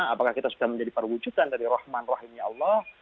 apakah kita sudah menjadi perwujudan dari rahman rahimnya allah